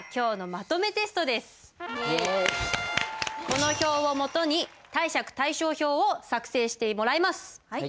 この表をもとに貸借対照表を作成してもらいます。